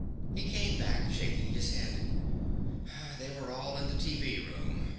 He came back shaking his head. "They were all in the TV room.